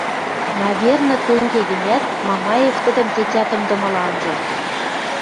наверно, тенге гӹнят, Мамаев тӹдӹм тетя тымдымыла анжа.